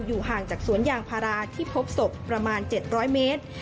ห่างจากสวนยางพาราที่พบศพประมาณ๗๐๐เมตร